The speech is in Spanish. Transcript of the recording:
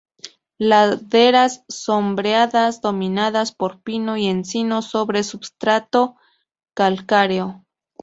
Laderas sombreadas dominadas por pino y encino, sobre substrato calcáreo.